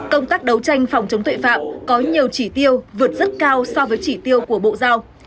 công tác đấu tranh phòng chống tội phạm có nhiều chỉ tiêu vượt rất cao so với chỉ tiêu của bộ giao